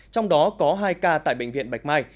trong đó có hai ca tại bệnh viện bạch mai